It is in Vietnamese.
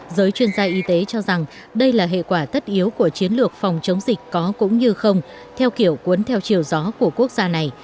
giới chuyên gia y tế cho rằng đây là hệ quả tất yếu của chiến lược phòng chống dịch có cũng như không theo kiểu cuốn theo chiều gió của quốc gia này